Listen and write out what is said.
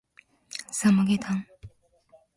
サムゲタン